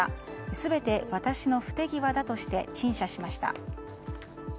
全て私の不手際だとして陳謝しました。